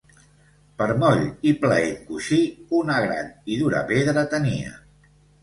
Per moll i plaent coixí, una gran i dura pedra tenia.